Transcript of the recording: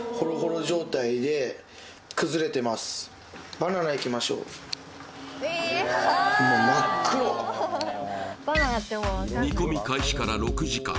バナナいきましょう煮込み開始から６時間